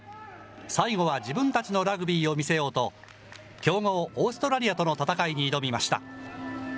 最後は自分たちのラグビーを見せようと、強豪オーストラリアとの戦いに挑みました。